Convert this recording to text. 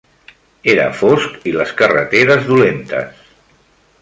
Era fosc i les carreteres dolentes.